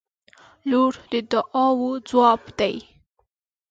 • لور د دعاوو ځواب دی.